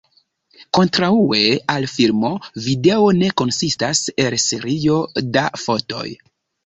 Kontraŭe al filmo video ne konsistas el serio da fotoj.